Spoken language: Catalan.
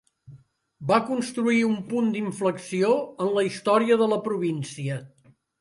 Va constituir un punt d'inflexió en la història de la província.